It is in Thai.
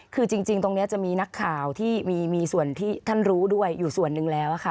คือจริงตรงนี้จะมีนักข่าวที่มีส่วนที่ท่านรู้ด้วยอยู่ส่วนหนึ่งแล้วค่ะ